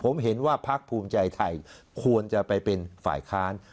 ผมเห็นว่าพักภูมิใจไทยควรจะไปเป็นฝ่ายค้าน